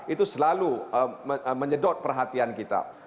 itu selalu menyedot perhatian kita